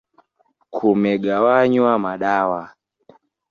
Kumegawanywa madawa